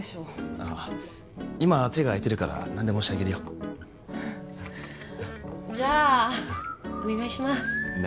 あッ今手が空いてるから何でもしてあげるよあッじゃあお願いします何？